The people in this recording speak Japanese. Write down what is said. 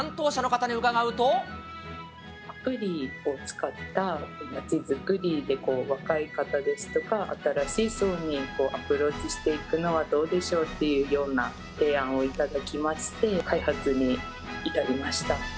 アプリを使った町づくりで、若い方ですとか、新しい層にアプローチしていくのはどうでしょうっていうような提案を頂きまして、開発に至りました。